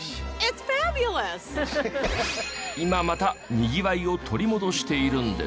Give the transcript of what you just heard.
今またにぎわいを取り戻しているんです。